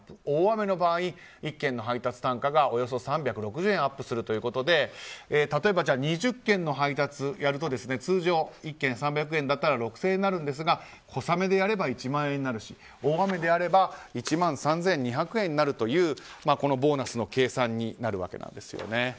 大雨の場合、１件の配達単価がおよそ３６０円アップするということで例えば２０件の配達をやると通常１件３００円だったら６０００円になるんですが小雨でやれば１万円になるし大雨でやれば１万３２００円になるというこのボーナスの計算になるわけですね。